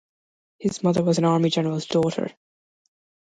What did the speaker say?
His mother was an army general's daughter.